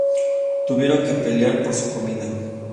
Tuvieron que pelear por su comida.